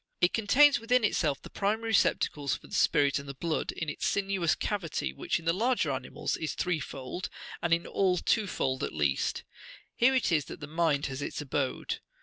It contains within itself the primary receptacles for the spirit and the blood, in its sinuous cavity, which in the larger animals is threefold,67 and in all twofold at least : here it is that the mind68 has its abode.